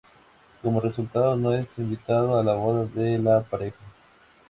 Como resultado no es invitado a la boda de la pareja.